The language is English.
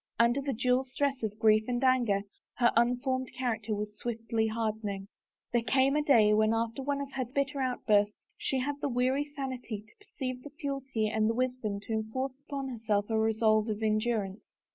Under the dual stress of grief and anger her unformed character was swiftly hardening. There came a day when after one of her bitter out bursts she had the weary sanity to perceive its futility and the wisdom to enforce upon herself a resolve of endurance.